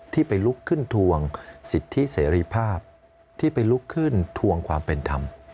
ที่ไปลุกขึ้นทวงสิทธิเสรีภาพที่ไปลุกขึ้นทวงความเป็นธรรม